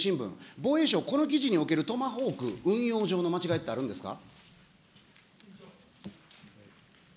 防衛省、この記事におけるトマホーク、運用上の間違いってあるんですか。